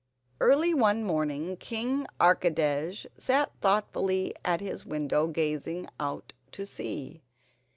Early one morning King Archidej sat thoughtfully at his window gazing out to sea.